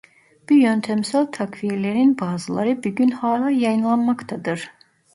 Bu yöntemsel takviyelerin bazıları bugün hala yayınlanmaktadır.